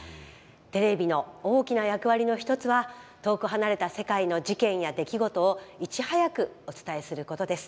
テレビの大きな役割の一つは遠く離れた世界の事件や出来事をいち早くお伝えすることです。